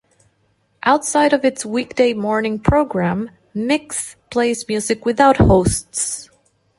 Outside of its weekday morning programme, Mix plays music without hosts.